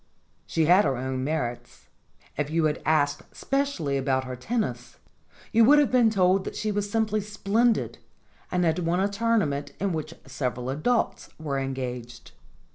She had her own merits. If you had asked specially about her tennis, you would have been told that she was simply splendid, and had won a tournament in which several adults were engaged.